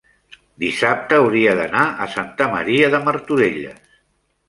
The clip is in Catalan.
dissabte hauria d'anar a Santa Maria de Martorelles.